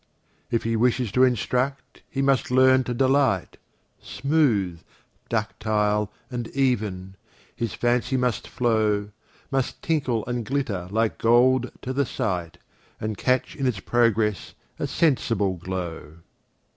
If he wish to instruct, he must learn to delight, Smooth, ductile, and even, his fancy must flow, Must tinkle and glitter like gold to the sight, And catch in its progress a sensible glow.